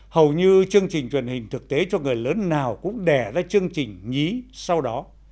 hầu như chương trình truyền hình thực tế cho người lớn nào cũng đẻ ra chương trình nhí sau đó